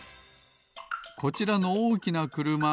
こちらのおおきなくるま。